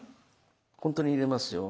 本当に入れますよ。